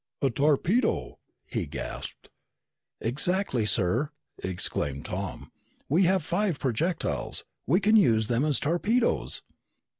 "A torpedo!" he gasped. "Exactly, sir!" exclaimed Tom. "We have five projectiles! We can use them as torpedoes!"